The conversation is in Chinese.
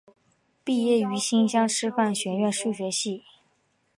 毕业于新乡师范学院数学系。